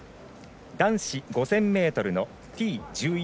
男子５０００ｍのＴ１１